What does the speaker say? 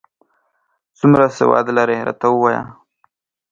څومره سواد لرې، راته ووایه ؟